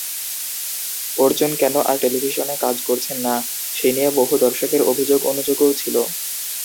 অর্জুন কেন আর টেলিভিশনে কাজ করছেন না, সেই নিয়ে বহু দর্শকের অভিযোগ-অনুযোগও ছিল।